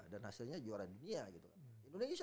dan hasilnya juara dunia gitu indonesia